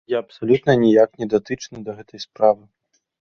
Я абсалютна ніяк не датычны да гэтай справы.